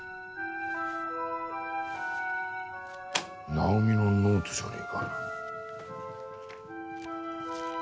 奈緒美のノートじゃねえか。